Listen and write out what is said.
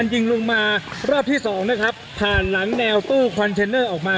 ทางกลุ่มมวลชนทะลุฟ้าทางกลุ่มมวลชนทะลุฟ้า